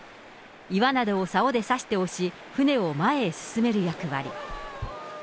岩などをさおでさして押し、船を前へ進める役割。